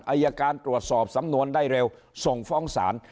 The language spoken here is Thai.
อายการตรวจสอบสำนวนได้เร็วส่งฟ้องศาล